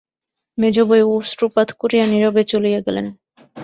মেজোবউ অশ্রুপাত করিয়া নীরবে চলিয়া গেলেন।